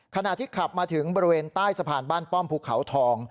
ขณะที่ขับมาถึงบริเวณใต้สะพานบ้านป้อมภูเขาทอง